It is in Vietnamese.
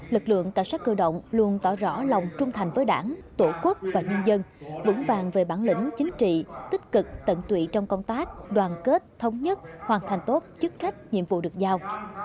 lực lượng cảnh sát cơ động luôn tỏ rõ lòng trung thành với đảng tổ quốc và nhân dân vững vàng về bản lĩnh chính trị tích cực tận tụy trong công tác đoàn kết thống nhất hoàn thành tốt chức trách nhiệm vụ được giao